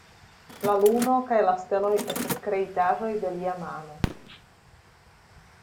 La luno kaj la steloj estas kreitaĵoj de Lia mano.